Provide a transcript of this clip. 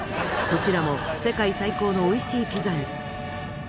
こちらも世界最高のおいしいピザに。